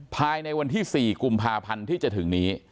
ภายในวันที่๔กุมภาพันธ์ที่จะถึงนี้